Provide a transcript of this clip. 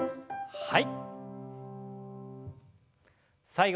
はい。